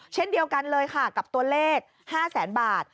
เช่นเดียวกันเลยค่ะกับตัวเลข๕แสนบาท